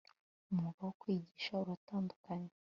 umwuga wo kwigisha uratandukanye